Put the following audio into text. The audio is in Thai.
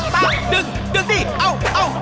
ตั้งดึงดึงดิอ้าวอ้าว